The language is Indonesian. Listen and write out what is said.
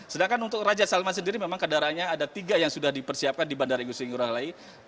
sedangkan untuk raja salman sendiri memang kendaraannya ada tiga yang sudah dipersiapkan di bandara igusti ngurah rai